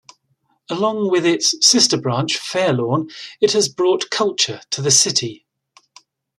Along with its sister branch, Fairlawn, it has brought culture to the city.